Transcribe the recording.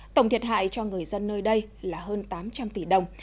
tổng thiệt hại cho người dân nơi đây là hơn tám trăm linh tỷ đồng